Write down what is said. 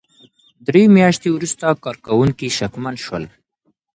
درې مياشتې وروسته کارکوونکي شکمن شول.